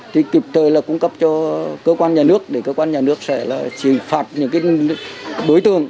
thì kịp thời cung cấp cho cơ quan nhà nước để cơ quan nhà nước sẽ trình phạt những đối tượng